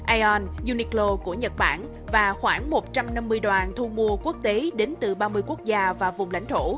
aeon uniqlo của nhật bản và khoảng một trăm năm mươi đoàn thu mua quốc tế đến từ ba mươi quốc gia và vùng lãnh thổ